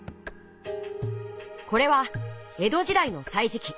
これは江戸時代の「歳時記」。